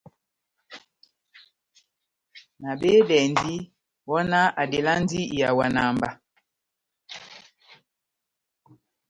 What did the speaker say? Nabehedɛndi, wɔhɔnáh adelandi ihawana mba.